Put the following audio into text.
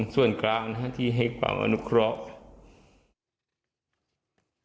ส่วนกลางที่ให้ความอนุเคราะห์